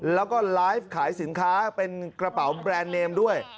แล้วก็ไลฟ์ขายสินค้าเป็นกระเป๋าแบรนด์เนมด้วย